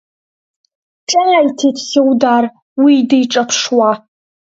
Ҿааиҭит Хьудар уи диҿаԥшуа.